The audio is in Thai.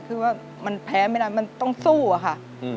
คือว่ามันแพ้ไม่ได้มันต้องสู้อะค่ะ